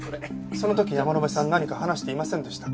その時山野辺さん何か話していませんでしたか？